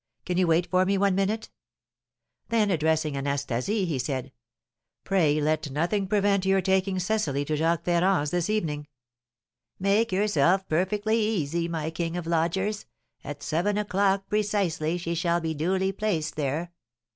Can you wait for me one minute?" Then addressing Anastasie, he said, "Pray let nothing prevent your taking Cecily to Jacques Ferrand's this evening." "Make yourself perfectly easy, my king of lodgers; at seven o'clock precisely she shall be duly placed there.